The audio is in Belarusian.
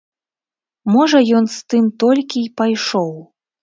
Можа, ён з тым толькі й пайшоў.